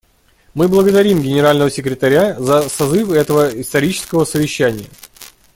Мы благодарим Генерального секретаря за созыв этого исторического совещания.